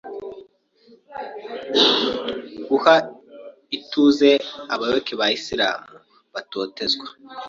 guha ituze abayoboke ba Islam batotezwa,